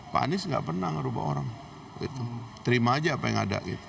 pak anies gak pernah ngerubah orang terima aja apa yang ada gitu